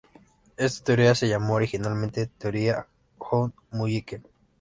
Esta teoría se llamó originalmente teoría Hund-Mulliken.